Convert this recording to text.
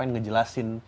kita pengen ngejelasin